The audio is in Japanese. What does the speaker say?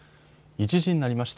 １時になりました。